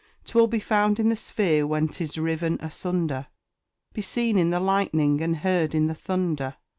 'Twill be found in the sphere when 'tis riven asunder, Be seen in the lightning, and heard in the thunder.